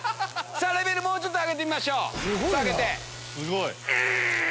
レベルもうちょっと上げてみましょう。